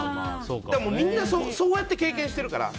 みんなそうやって経験してるから。